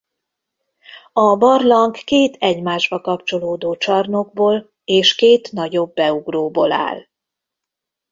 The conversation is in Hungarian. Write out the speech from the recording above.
A barlang két egymásba kapcsolódó csarnokból és két nagyobb beugróból áll.